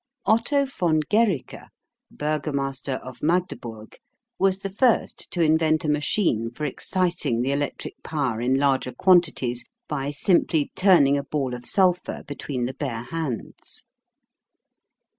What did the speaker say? Otto von Guericke, burgomaster of Magdeburg, was the first to invent a machine for exciting the electric power in larger quantities by simply turning a ball of sulphur between the bare hands.